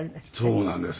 そうなんです。